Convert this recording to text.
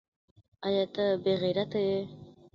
ایا ته بې غیرته یې ؟